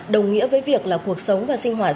đồng nghĩa với việc là cuộc sống và sinh hoạt